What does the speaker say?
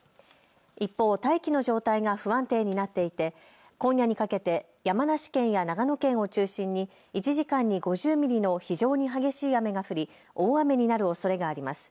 一方、大気の状態が不安定になっていて今夜にかけて山梨県や長野県を中心に１時間に５０ミリの非常に激しい雨が降り大雨になるおそれがあります。